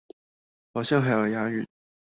好像還有押韻